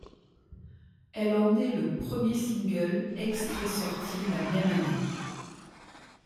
Elle en est le premier single extrait sorti la même année.